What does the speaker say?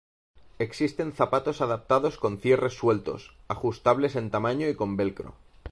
Existen zapatos adaptados con cierres sueltos, ajustables en tamaño y con velcro.